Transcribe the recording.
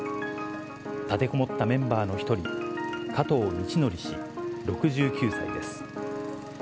立てこもったメンバーの一人、加藤倫教氏６９歳です。